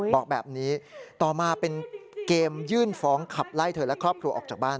บอกแบบนี้ต่อมาเป็นเกมยื่นฟ้องขับไล่เธอและครอบครัวออกจากบ้าน